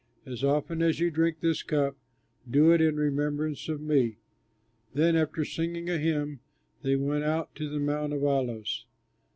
As often as you drink this cup, do it in remembrance of me." Then after singing a hymn they went out to the Mount of Olives.